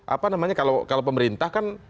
apa namanya kalau pemerintah kan